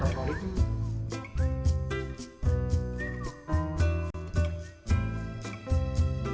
yang mencari protokol kesehatan